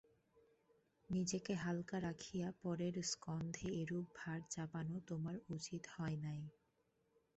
নিজেকে হালকা রাখিয়া পরের স্কন্ধে এরূপ ভার চাপানো তোমার উচিত হয় নাই।